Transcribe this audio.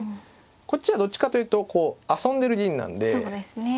こっちはどっちかというと遊んでる銀なんで。